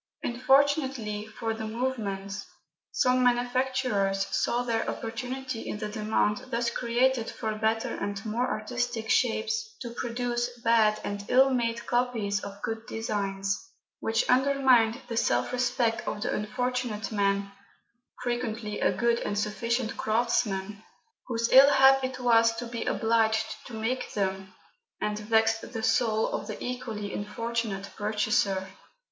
Unfortunately for the movement, some manufacturers saw their opportunity in the demand thus created for better and more artistic shapes to produce bad and ill made copies of good designs, which undermined the self respect of the unfortunate man (frequently a good and sufficient craftsman) whose ill hap it was to be obliged to make them, and vexed the soul of the equally unfortunate purchaser.